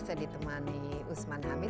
saya ditemani usman hamid